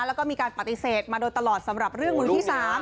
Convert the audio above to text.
แล้วก็มีการปฏิเสธมาโดยตลอดสำหรับเรื่องมือที่๓